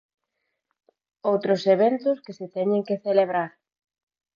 Outros eventos que se teñen que celebrar.